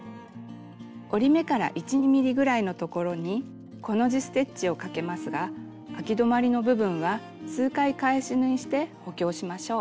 折り目から１２ｍｍぐらいのところにコの字ステッチをかけますがあき止まりの部分は数回返し縫いして補強しましょう。